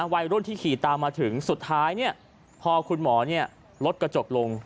วัยรุ่นที่ขี่ตามมาถึงสุดท้ายพอคุณหมอลดกระจกลง